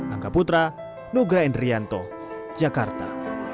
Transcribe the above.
angga putra nugra endrianto jakarta